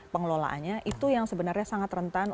pengelolaannya itu yang sebenarnya sangat rentan